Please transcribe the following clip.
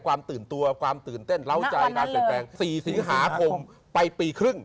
ความตื่นตัวตื่นเต้นล้าวใจสีสิงหาคมไปปีครึ่ง